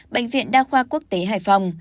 bệnh viện đa khoa quốc tế hải phòng